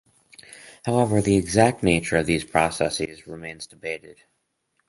However, the exact nature of these processes remains debated.